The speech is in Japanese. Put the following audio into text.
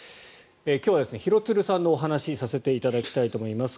今日は廣津留さんのお話をさせていただきたいと思います。